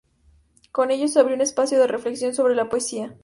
Con ello se abrió un espacio de reflexión sobre la poesía.